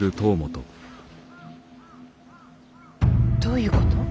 どういうこと。